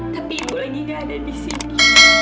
tapi ibu lagi gak ada di sini